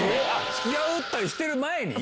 つきあったりしてる前に？